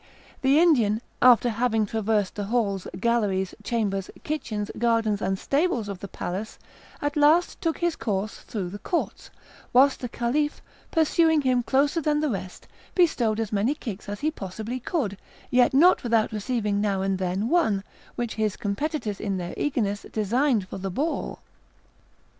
The Indian, after having traversed the halls, galleries, chambers, kitchens, gardens, and stables of the palace, at last took his course through the courts; whilst the Caliph, pursuing him closer than the rest, bestowed as many kicks as he possibly could, yet not without receiving now and then one, which his competitors in their eagerness designed for the ball.